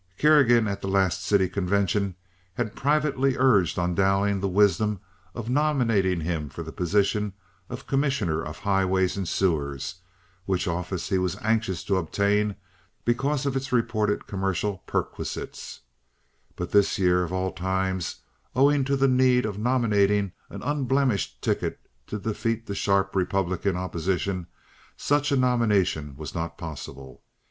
Kerrigan at the last city convention had privately urged on Dowling the wisdom of nominating him for the position of commissioner of highways and sewers, which office he was anxious to obtain because of its reported commercial perquisites; but this year, of all times, owing to the need of nominating an unblemished ticket to defeat the sharp Republican opposition, such a nomination was not possible.